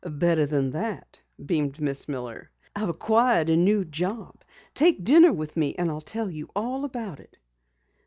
"Better than that," beamed Miss Miller. "I've acquired a new job. Take dinner with me and I'll tell you all about it."